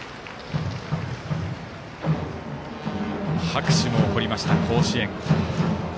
拍手も起こりました、甲子園。